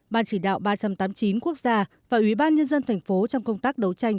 ban chỉ đạo ba trăm tám mươi chín quốc gia và ủy ban nhân dân thành phố trong công tác đấu tranh